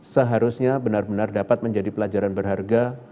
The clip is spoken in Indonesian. seharusnya benar benar dapat menjadi pelajaran berharga